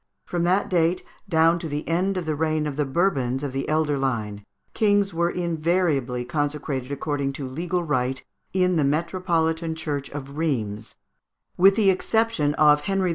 From that date, down to the end of the reign of the Bourbons of the elder line, kings were invariably consecrated, according to legal rite, in the metropolitan church of Rheims, with the exception of Henry IV.